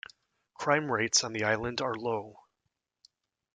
Crime rates on the island are low.